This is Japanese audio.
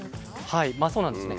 はいそうなんですね。